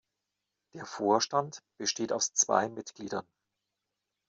Der Vorstand besteht aus zwei Mitgliedern.